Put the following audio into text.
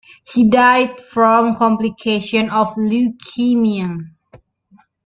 He died from complications of leukemia.